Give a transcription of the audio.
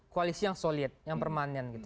koalisi yang solid yang permanen gitu